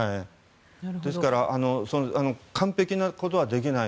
ですから完璧なことはできない。